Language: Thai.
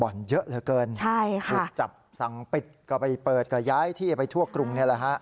เยอะเหลือเกินใช่ค่ะถูกจับสั่งปิดก็ไปเปิดก็ย้ายที่ไปทั่วกรุงนี่แหละฮะ